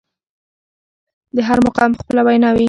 د هر مقام خپله وينا وي.